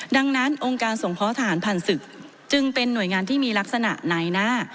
ดังนั้นองค์การส่งเพาะทหารผ่านศึกจึงเป็นหน่วยงานที่มีลักษณะนายหน้า